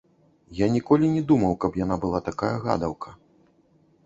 Я ніколі не думаў, каб яна была такая гадаўка.